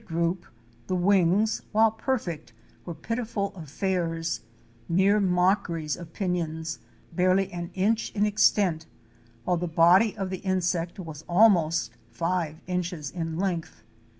group the wings, while perfect, were pitiful affairs, mere mockeries of pinions, barely an inch in extent, while the body of the insect was almost five inches in length.